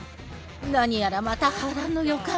何やらまた波乱の予感。